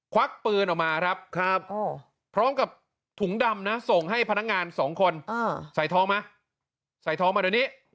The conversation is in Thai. ควักปืนออกมาครับพร้อมกับถุงดำนะส่งให้พนักงานสองคนใส่ท้องมาใส่ท้องมาเดี๋ยวนี้